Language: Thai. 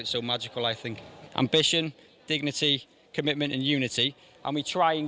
ผู้ถอดกันได้ฮัาตอบเนิสเพื่อเป็นผูลใหญ่แชก